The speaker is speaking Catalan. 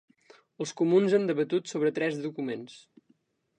Els comuns han debatut sobre tres documents.